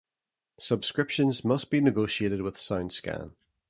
Subscriptions must be negotiated with SoundScan.